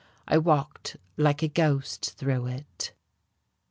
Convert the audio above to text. I walked like a ghost through it....